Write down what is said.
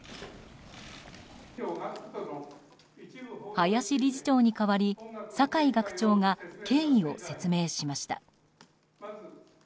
林理事長に代わり、酒井学長が経緯を説明しました。